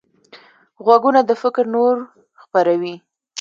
غوږونه د فکر نور خپروي